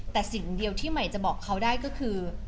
แต่สิ่งเดียวที่ใหม่จะบอกเขาได้ก็คือ